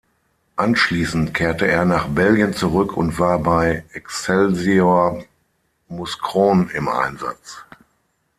Anschließend kehrte er nach Belgien zurück und war bei Excelsior Mouscron im Einsatz.